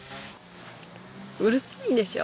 うるさいんでしょ？